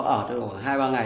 ở hai ba ngày